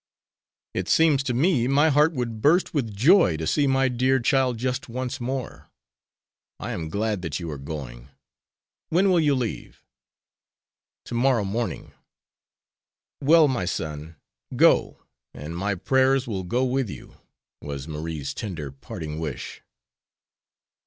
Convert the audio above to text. "It seems to me my heart would burst with joy to see my dear child just once more. I am glad that you are going. When will you leave?" "To morrow morning." "Well, my son, go, and my prayers will go with you," was Marie's tender parting wish.